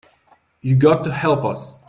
You got to help us.